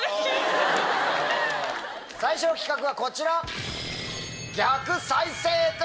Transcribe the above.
最初の企画はこちら！